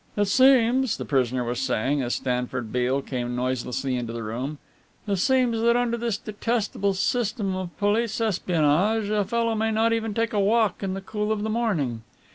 "It seems," the prisoner was saying, as Stanford Beale came noiselessly into the room, "it seems that under this detestable system of police espionage, a fellow may not even take a walk in the cool of the morning."